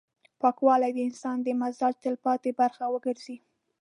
پاکوالی د انسان د مزاج تلپاتې برخه وګرځي.